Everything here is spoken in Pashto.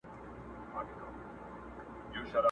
د خور او مور له ګریوانونو سره لوبي کوي!.